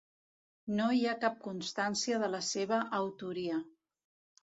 No hi ha cap constància de la seva autoria.